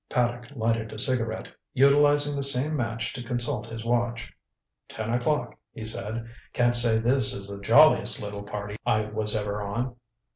Paddock lighted a cigarette, utilizing the same match to consult his watch. "Ten o'clock," he said. "Can't say this is the jolliest little party I was ever on."